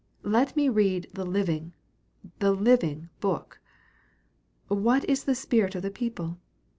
Let me read the living the living book! What is the spirit of the people?